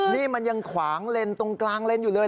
นี่มันยังขวางเลนตรงกลางเลนอยู่เลย